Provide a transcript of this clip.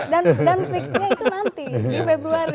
dan fixnya itu nanti di februari